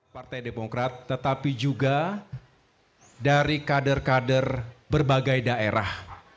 partai demokrat tetapi juga dari kader kader berbagai daerah